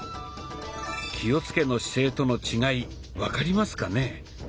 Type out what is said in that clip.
「気をつけの姿勢」との違い分かりますかね？